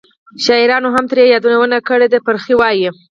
شاعرانو هم ترې یادونه کړې ده. فرخي وایي: